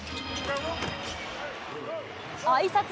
あいさつ